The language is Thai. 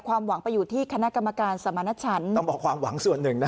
ความหวังไปอยู่ที่คณะกรรมการสมณชันต้องบอกความหวังส่วนหนึ่งนะฮะ